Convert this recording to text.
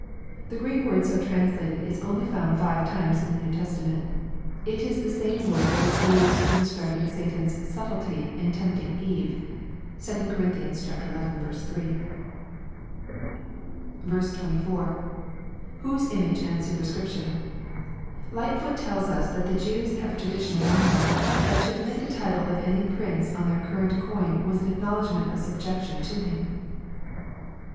'] The Greek word so translated is only found five times in the New Testament It is the same word that 13 used in describing Satan's subtlety" in tempting Eve. (2 Cor. xi. 3.) 24. —[ Whose image and superscription.] Lightfoot tells us that the Jews have a tradition among them, that to admit the title of any prince on their current coin was an acknowledgment of subjection to him.